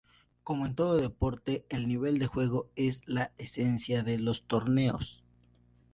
Como en todo deporte el nivel de juego es la esencia de los torneos.